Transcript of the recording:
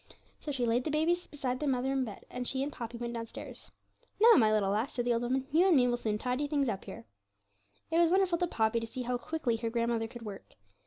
So she laid the babies beside their mother in bed, and she and Poppy went downstairs. 'Now, my little lass,' said the old woman, 'you and me will soon tidy things up here.' It was wonderful to Poppy to see how quickly her grandmother could work.